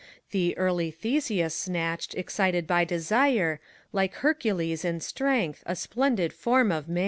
Thee early Theseus snatched, excited by desire, Like Heracles in strength, a splendid form of man.